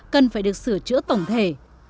cần phải được sửa chữa tổng thể